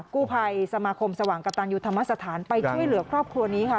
กู้ภัยสมาคมสว่างกระตันยูธรรมสถานไปช่วยเหลือครอบครัวนี้ค่ะ